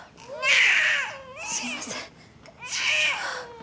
すいません。